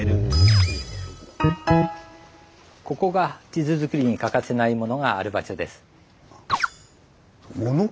ここが地図作りに欠かせないものがある場所です。